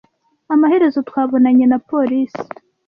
Amaherezo, twabonanye na polisi.